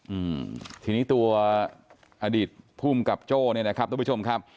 อืมทีนี้ตัวอดีตภูมิกับโจ้เนี่ยนะครับทุกผู้ชมครับ